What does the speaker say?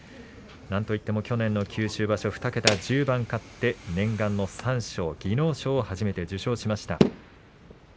なんといっても去年の九州場所２桁１０番勝って念願の三賞技能賞を初めて受賞しました。